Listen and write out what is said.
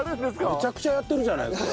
めちゃくちゃやってるじゃないですか。